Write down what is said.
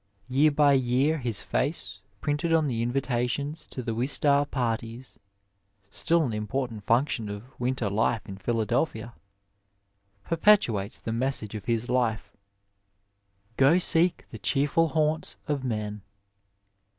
Tear by year his face, printed on the invitations to the *' Wistar Parties " (still an important function of winter life in Philadelphia) perpetoates the message of his life, " Gro seek the cheerfol haunts of men."